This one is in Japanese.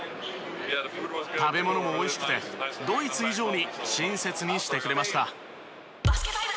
食べ物も美味しくてドイツ以上に親切にしてくれました。